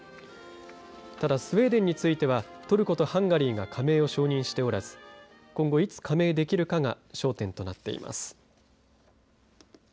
ただスウェーデンについてはトルコとハンガリーが加盟を承認しておらず今後、いつ加盟できるかが焦点となっています。